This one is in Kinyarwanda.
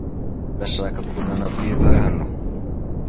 Ndashaka kuzana Bwiza hano .